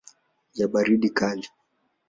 ya baridi kali.